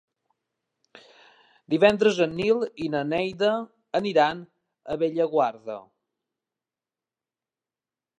Divendres en Nil i na Neida aniran a Bellaguarda.